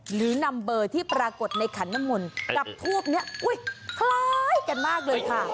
หรือนำเบอร์ที่ปรากฏในขณะหมุนกับภูมิเนี่ยอุ้ยคล้ายกันมากเลยค่ะ